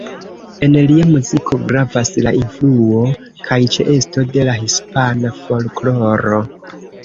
En lia muziko gravas la influo kaj ĉeesto de la hispana folkloro.